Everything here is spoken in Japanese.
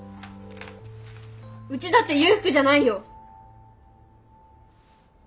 うちだって裕福じゃないよ！